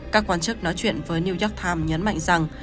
các quan chức nói chuyện với new york times nhấn mạnh rằng